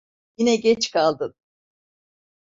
Yine geç kaldın.